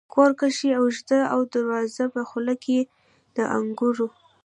کور کښته او اوږد و، د دروازې په خوله کې د انګورو.